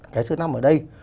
cái thứ năm ở đây